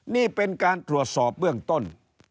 นี่เป็นการตรวจสอบเบื้องต้น